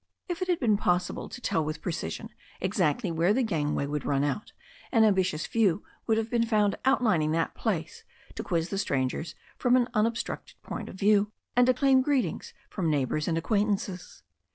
If it had been possible to tell with precision exactly where the gangway would be run out, an ambitious few would have been found outlining that place to quiz the strangers from an unob structed point of view, and to claim greetings from neigh bours and acquaintances.